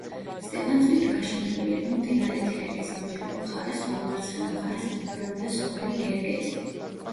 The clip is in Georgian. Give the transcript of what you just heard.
სტეფანწმინდა გაშენებული იყო მდინარე თერგის მარჯვენა მხარეს, ხოლო მარცხენა მხარეს მდებარეობდა სოფელი გერგეტი.